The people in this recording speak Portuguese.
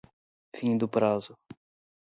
Findo o prazo